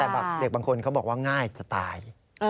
แต่แบบเด็กบางคนเขาบอกว่าง่ายจะตาย